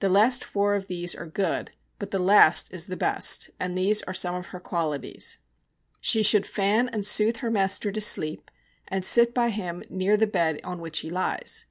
The last four of these are good, but the last is the best, and these are some of her qualities: 'She should fan and soothe her master to sleep, and sit by him near the bed on which he lies.